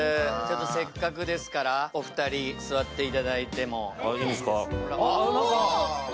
せっかくですから、お二人、座っていただいても。